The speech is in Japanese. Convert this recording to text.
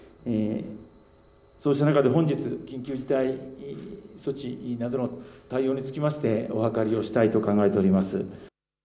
そうした中で本日、緊急事態措置などの対応につきまして、お諮りをしたいと考えております。